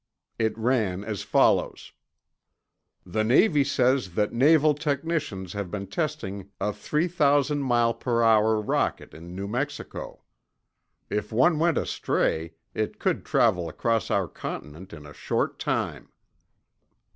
It ran as follows: "The Navy says that naval technicians have been testing a 3,000 mile per hour rocket in New Mexico. If one went astray, it could travel across our continent in a short time."